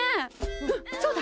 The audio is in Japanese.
うんそうだ